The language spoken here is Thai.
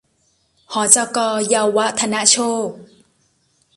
หจก.เยาวธนโชค